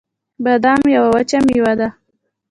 بادام یوه وچه مېوه ده